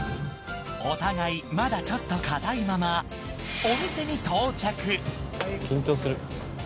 お互いまだちょっと硬いまま緊張する。